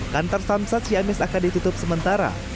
kantor samsat ciamis akan ditutup sementara